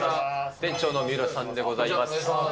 店長の三浦さんでございます。